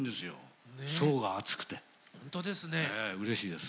ええうれしいです。